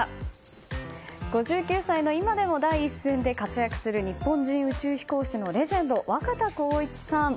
５９歳の今でも第一線で活躍する日本人宇宙飛行士のレジェンド若田光一さん。